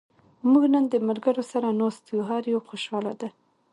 موږ نن د ملګرو سره ناست یو. هر یو خوشحاله دا.